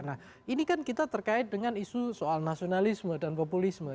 nah ini kan kita terkait dengan isu soal nasionalisme dan populisme